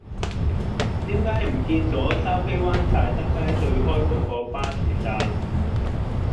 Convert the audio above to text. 點解唔見左筲箕灣大德街對開嗰個巴士站